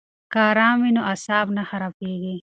که آرام وي نو اعصاب نه خرابیږي.